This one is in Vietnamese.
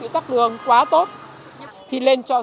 thì xe buýt thường không thì xe buýt thường đi